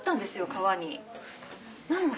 川に。